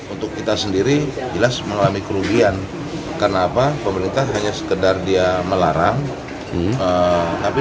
untuk kita sendiri jelas mengalami kerugian karena apa pemerintah hanya sekedar dia melarang tapi